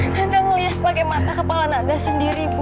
nanda ngelias pakai mata kepala nanda sendiri ibu